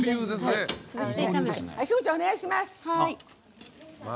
景子ちゃん、お願いします。